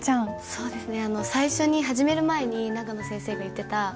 そうですね。